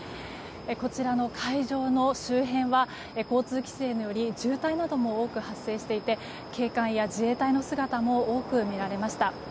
こちらの会場の周辺は交通規制により渋滞なども多く発生していて警官や自衛隊の姿も多く見られました。